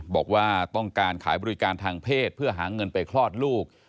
บอกว่าต้องการขายบริการทางเพศเพื่อหาเงินไปคลอดลูก